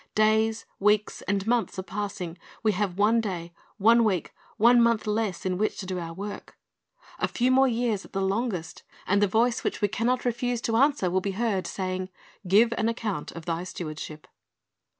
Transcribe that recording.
Days, weeks, and months are passing; we have one day, one week, one month less in which to do our work. A few more years at the longest, and the voice which we 1 R. v. 374 C Ji ri s t' s Object Lessons can not refuse to answer will be heard, sa)'in<^, "Give an account of thy stewardship."